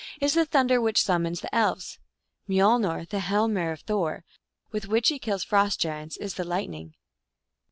is the thunder which summons the Elves. " Miolner, the hammer of Thor, with which he kills frost giants, is the lightning."